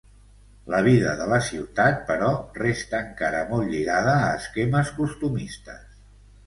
La vida de la ciutat, però, resta encara molt lligada a esquemes costumistes.